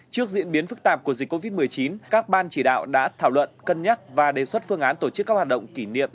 trước diễn biến phức tạp của dịch covid một mươi chín các ban chỉ đạo đã thảo luận cân nhắc và đề xuất phương án tổ chức các hoạt động kỷ niệm